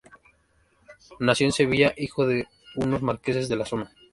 Nació en Sevilla, hijo de unos marqueses de la zona.